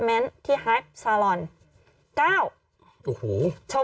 กล้องกว้างอย่างเดียว